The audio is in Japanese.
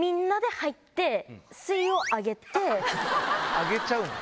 上げちゃうの？